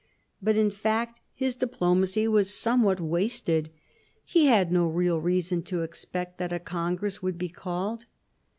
But in fact his diplomacy was somewhat wasted. He had no real reason to expect that a congress would be called.